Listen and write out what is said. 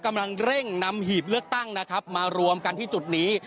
กำลังเร่งนำหีบเลือกตั้งนะครับมารวมกันที่จุดนี้